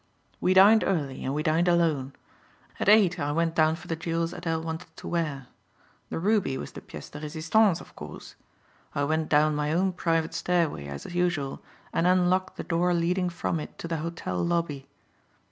"We dined early and we dined alone. At eight I went down for the jewels Adele wanted to wear. The ruby was the pièce de résistance of course. I went down my own private stairway as usual and unlocked the door leading from it to the hotel lobby.